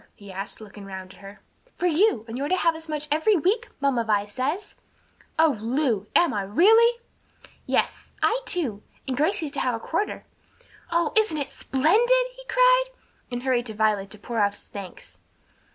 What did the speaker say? he asked, looking round at her. "For you; and you're to have as much every week, Mamma Vi says." "O Lu! am I, really?" "Yes; I too; and Gracie's to have a quarter." "Oh, isn't it splendid!" he cried, and hurried to Violet to pour out his thanks.